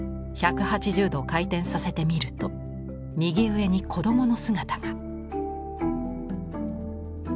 １８０度回転させてみると右上に子どもの姿が。